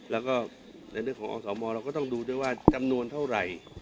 แล้วก็ในเรื่องของอสมเราก็ต้องดูด้วยว่าจำนวนเท่าไหร่